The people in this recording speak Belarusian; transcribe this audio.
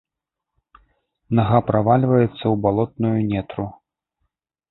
Нага правальваецца ў балотную нетру.